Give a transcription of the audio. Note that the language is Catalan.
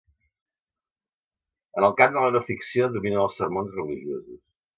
En el camp de la no ficció, dominen els sermons religiosos.